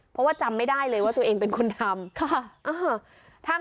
เพราะว่าจำไม่ได้เลยว่าตัวเองเป็นคนทำ